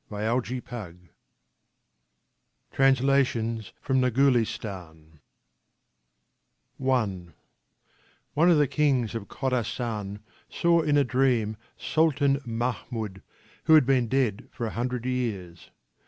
C/ple, July, 1910, TRANSLATIONS FROM THE GULISTAN I ONE of the Kings of Khorassan saw in a dream Sultan Mahmud, who had been dead for a hundred years.